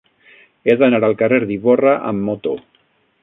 He d'anar al carrer d'Ivorra amb moto.